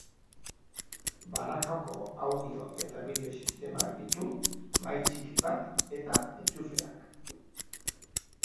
Banakako audio eta bideo sistemak ditu, mahai txiki bat eta entxufeak.